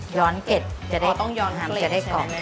ย้อนเกล็ดอ๋อต้องย้อนเกล็ดใช่ไหมจะได้กรอบ